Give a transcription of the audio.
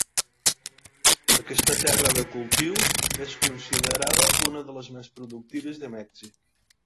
Aquesta terra de cultiu és considerada una de les més productives de Mèxic.